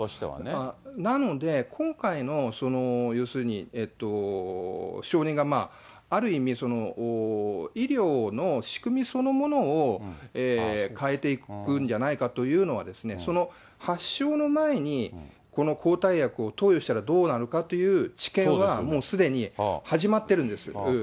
なので今回もその要するに、承認がある意味、医療の仕組みそのものを変えていくんじゃないかというのはですね、その発症の前にこの抗体薬を投与したらどうなるかっていう治験は、もうすでに始まってるんです。